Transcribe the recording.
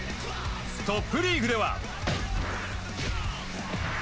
トップリーグでは。